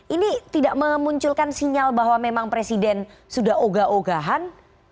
ini tidak memunculkan sinyal bahwa memang presiden sudah oga ogahan